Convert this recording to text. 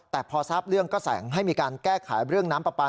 แต่พอทราบเรื่องก็แสงให้มีการแก้ไขเรื่องน้ำปลาปลา